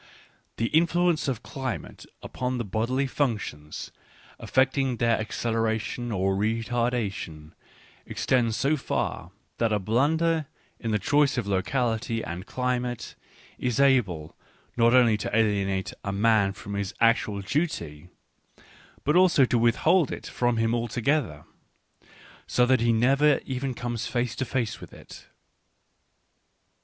The influence of climate upon the bodily functions, affecting their acceleration or re tardation, extends so far, that a blunder in the choice of locality and climate is able not only to alienate a man from his actual duty, but also to withhold it from him altogether, so that he never even comes face to face with it.